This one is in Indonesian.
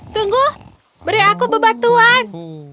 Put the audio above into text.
tunggu beri aku bebatuan